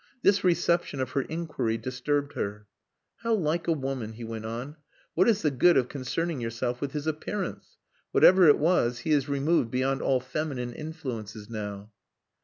This reception of her inquiry disturbed her. "How like a woman," he went on. "What is the good of concerning yourself with his appearance? Whatever it was, he is removed beyond all feminine influences now."